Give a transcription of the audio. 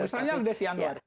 yang pertama adalah desi andwar